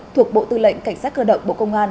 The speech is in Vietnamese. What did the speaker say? thuộc bộ tư lệnh cảnh sát cơ động bộ công an